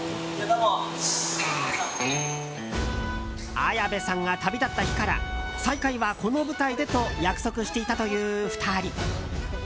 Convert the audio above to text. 綾部さんが旅立った日から再会はこの舞台でと約束していたという２人。